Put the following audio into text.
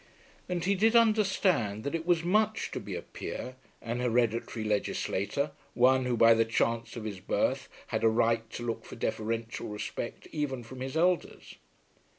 And he did understand that it was much to be a peer, an hereditary legislator, one who by the chance of his birth had a right to look for deferential respect even from his elders.